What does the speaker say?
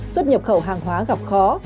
xuất nhập khẩu hàng hóa gặp khó